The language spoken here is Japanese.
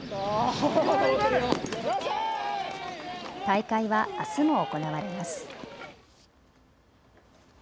大会はあすも行われます。